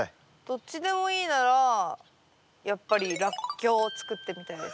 どっちでもいいならやっぱりラッキョウを作ってみたいです。